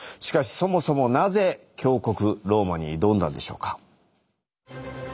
しかしそもそもなぜ強国ローマに挑んだんでしょうか？